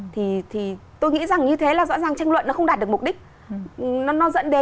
thì tôi nghĩ rằng như thế là rõ ràng tranh luận là không phải là một cái vấn đề này